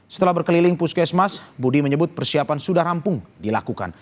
setelah berkeliling puskesmas budi menyebut persiapan sudah rampung dilakukan